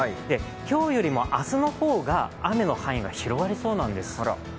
今日よりも明日の方が、雨の範囲が広がりそうなんです。